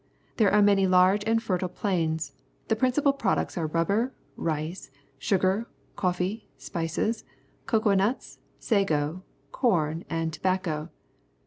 There are many large and fertile plains. The principal products are rubber, rice, sugar, coffee, spices, cocoa nuts, sago, corn, and tobacco.